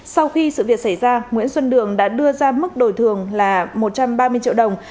sau khi sự việc xảy ra nguyễn xuân đường đã đưa ra mức đổi thường là một trăm ba mươi triệu đồng